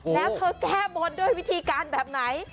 แล้วเธอแก้บนด้วยวิธีการแบบไหน